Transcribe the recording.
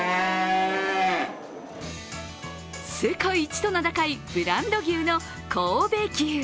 世界一と名高いブランド牛の神戸牛。